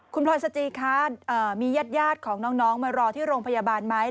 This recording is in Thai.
คุณพลอยสจีคะมีญาติของน้องมารอที่โรงพยาบาลไหม